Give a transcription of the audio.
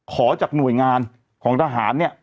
จากหน่วยงานของทหารเนี่ย